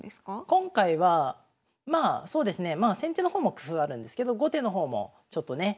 今回はまあそうですね先手の方も工夫あるんですけど後手の方もちょっとね